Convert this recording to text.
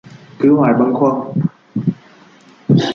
Cứ hoài bâng khuâng